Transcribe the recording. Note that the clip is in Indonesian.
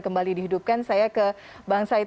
kembali dihidupkan saya ke bang said